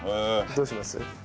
どうします？